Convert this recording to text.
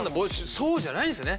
そうじゃないんですね。